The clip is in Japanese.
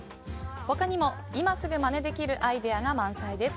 他にも今すぐまねできるアイデアが満載です。